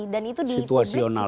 dan itu di publik juga terlihat sekali